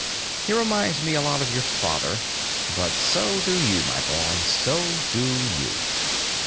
He reminds me a lot of your father. But so do you, my boy, so do you."